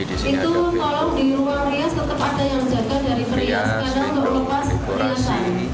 itu tolong di ruang rias tetap ada yang menjaga dari perias